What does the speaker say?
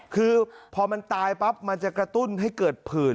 คือพอมันตายปั๊บมันจะกระตุ้นให้เกิดผื่น